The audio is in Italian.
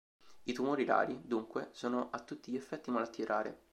I tumori rari, dunque sono a tutti gli effetti malattie rare.